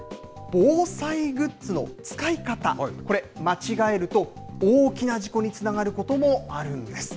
防災グッズの使い方、これ、間違えると、大きな事故につながることもあるんです。